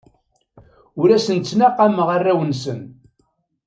Ur asen-ttnaqameɣ arraw-nsen.